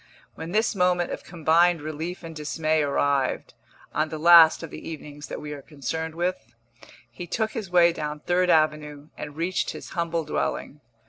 When this moment of combined relief and dismay arrived (on the last of the evenings that we are concerned with), he took his way down Third Avenue and reached his humble dwelling.